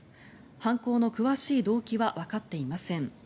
犯行の詳しい動機はわかっていません。